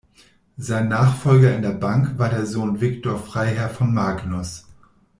Sein Nachfolger in der Bank war der Sohn Victor Freiherr von Magnus.